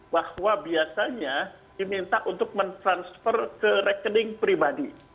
bahwa biasanya diminta untuk mentransfer ke rekening pribadi